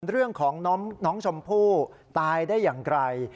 เรื่องของน้องชมพู่ตายได้อย่างไกล